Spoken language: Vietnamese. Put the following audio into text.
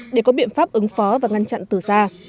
để có biện pháp ứng phó và ngăn chặn tử gia